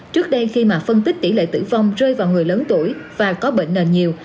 trước đây khi mà phân tích tỷ lệ tử vong rơi vào người lớn tuổi và có bệnh nền nhiều